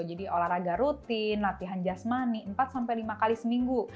jadi olahraga rutin latihan jasmani empat lima kali seminggu